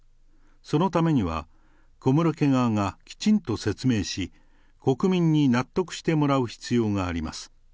そのためには、小室家側がきちんと説明し、国民に納得してもらう必要があります。